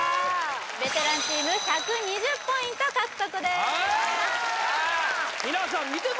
ベテランチーム１２０ポイント獲得です